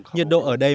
nhiệt độ ở đây